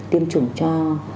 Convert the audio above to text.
tiêm chủng cho